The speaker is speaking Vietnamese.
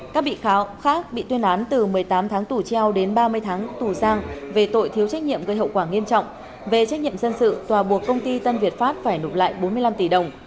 các bị cáo khác bị tuyên án từ một mươi tám tháng tù treo đến ba mươi tháng tù giam về tội thiếu trách nhiệm gây hậu quả nghiêm trọng về trách nhiệm dân sự tòa buộc công ty tân việt pháp phải nộp lại bốn mươi năm tỷ đồng